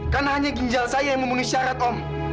karena hanya ginjal saya yang memenuhi syarat om